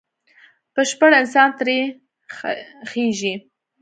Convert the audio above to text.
بشپړ انسان ترې خېژي.